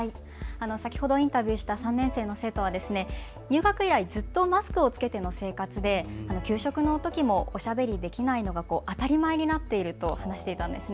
先ほどインタビューした３年生の生徒は入学以来ずっとマスクを着けての生活で給食のときもおしゃべりできないのが当たり前になっていると話していたんです。